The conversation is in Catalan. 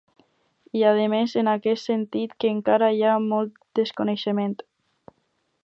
I ha admès, en aquest sentit, que ‘encara hi ha molt desconeixement’.